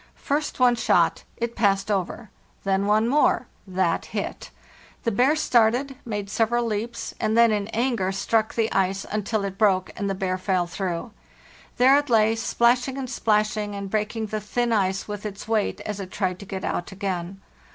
First one shot; it passed over, Then one more; that hit. ~The bear started, made several leaps, and then in anger struck the ice until it broke, and the bear fell through. There it lay, splashing and splashing and breaking the thin ice with its weight as it tried to get out again.